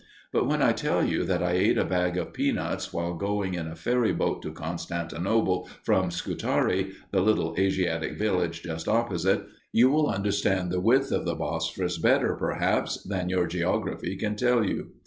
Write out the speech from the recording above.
But when I tell you that I ate a bag of peanuts while going in a ferry boat to Constantinople from Scutari, the little Asiatic village just opposite, you will understand the width of the Bosporus better, perhaps, than your geography can tell you.